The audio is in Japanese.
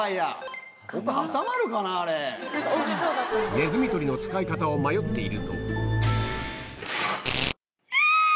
ネズミ捕りの使い方を迷っているといやぁ！